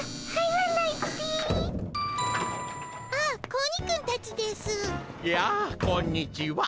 やあこんにちは。